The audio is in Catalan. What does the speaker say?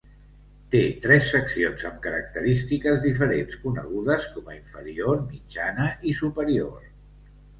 Té tres seccions amb característiques diferents conegudes com a inferior, mitjana i superior.